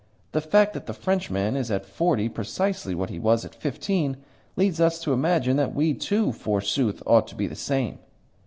The fact that the Frenchman is at forty precisely what he was at fifteen leads us to imagine that we too, forsooth, ought to be the same.